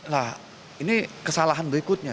lah ini kesalahan berikutnya